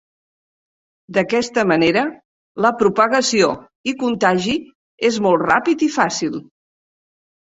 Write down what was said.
D'aquesta manera, la propagació i contagi és molt ràpid i fàcil.